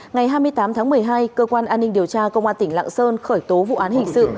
ngày hai mươi tám tháng một mươi hai cơ quan an ninh điều tra công an tỉnh lạng sơn khởi tố vụ án hình sự